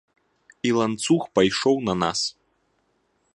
І ланцуг пайшоў на нас.